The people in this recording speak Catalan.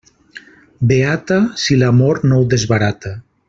Beata, si l'amor no ho desbarata.